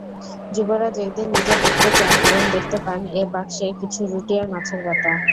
যুবরাজ একদিন নিজে দেখতে চান এবং দেখতে পান এ বাক্সে কিছু রুটি আর মাছের কাটা।